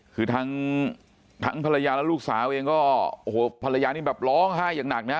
คือทั้งภรรยาและลูกสาวเองก็ภรรยานี่แบบร้องไห้อย่างหนักไหมฮะ